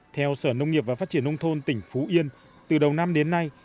theo sở nông nghiệp và phát triển nông thôn tỉnh phú yên từ đầu năm đến nay